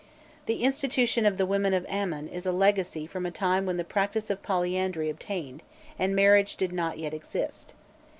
The institution of the women of Amon is a legacy from a time when the practice of polyandry obtained, and marriage did not yet exist.